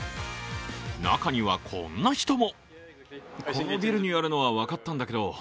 中にはこんな人も。